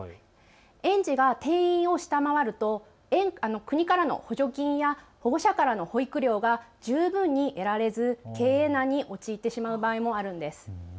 園児が定員を下回ると国からの補助金や保護者からの保育料が十分に得られず経営難に陥ってしまう場合もあるんです。